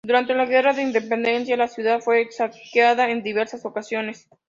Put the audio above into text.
Durante la Guerra de Independencia la ciudad fue saqueada en diversas ocasiones.